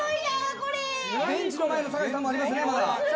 ベンチの前の酒井さんもありますねまだ。